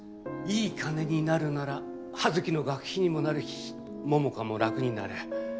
いい金になるなら葉月の学費にもなるし桃香も楽になる。